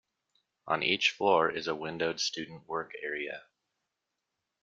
On each floor is a windowed student work area.